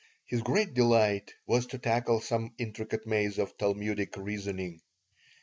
His great delight was to tackle some intricate maze of Talmudic reasoning.